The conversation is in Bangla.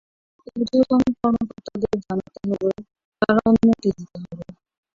ঊর্ধ্বতন কর্মকর্তাদের জানাতে হবে, তারা অনুমতি দিতে হবে।